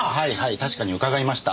確かに伺いました。